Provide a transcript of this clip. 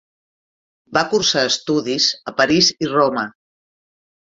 Va cursar estudis a París i Roma.